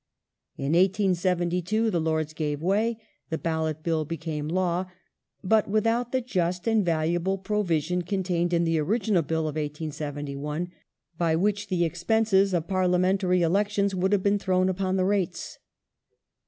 ^ In 1872 the Lords gave way ; the Ballot Bill became law, but without the just and valuable provision contained in the original Bill of 1871, by which the expenses of parliamentary elections would have been thrown upon the rates.